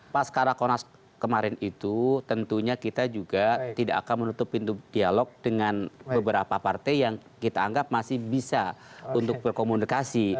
pas karakonas kemarin itu tentunya kita juga tidak akan menutup pintu dialog dengan beberapa partai yang kita anggap masih bisa untuk berkomunikasi